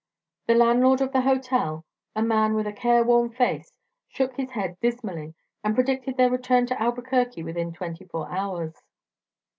The landlord of the hotel, a man with a careworn face, shook his head dismally and predicted their return to Albuquerque within twenty four hours.